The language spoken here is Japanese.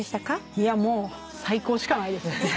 いやもう最高しかないです。